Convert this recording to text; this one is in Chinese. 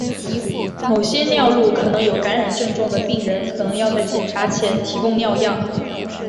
某些尿路可能有感染症状的病人可能要在检查前提供尿样。